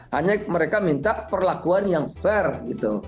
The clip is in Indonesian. hanya mereka minta perlakuan yang fair gitu